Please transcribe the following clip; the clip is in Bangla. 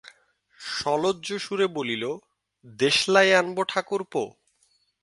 সলজ্জ সুরে বলিল, দেশলাই আনবো ঠাকুরপো?